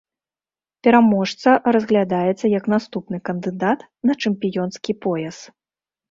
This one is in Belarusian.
Пераможца разглядаецца як наступны кандыдат на чэмпіёнскі пояс.